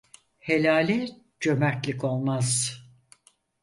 Helale cömertlik olmaz.